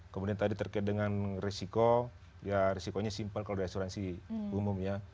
kemudian tadi terkait dengan risiko ya risikonya simple kalau ada asuransi umumnya